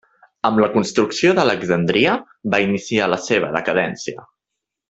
Amb la construcció d'Alexandria va iniciar la seva decadència.